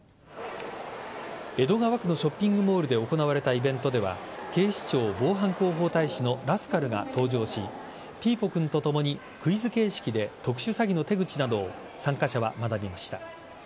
江戸川区のショッピングモールで行われたイベントでは警視庁防犯広報大使のラスカルが登場しピーポくんとともにクイズ形式で特殊詐欺の手口などを参加者は学びました。